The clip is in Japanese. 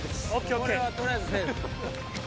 これは取りあえずセーフ。